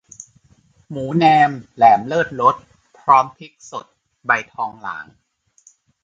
หมูแนมแหลมเลิศรส พร้อมพริกสดใบทองหลาง